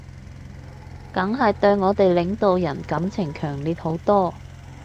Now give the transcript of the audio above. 梗係對我哋領導人感情強烈好多